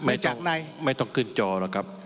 ไม่ต้องไม่ต้องขึ้นจอหรอกครับ